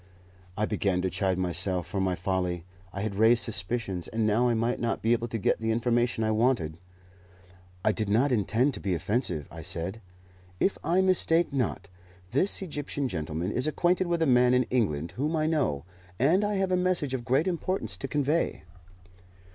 I began to chide myself for my folly. I had raised suspicions, and now I might not be able to get the information I wanted. "I did not intend to be offensive," I said. "If I mistake not, this Egyptian gentleman is acquainted with a man in England whom I know, and I have a message of great importance to convey."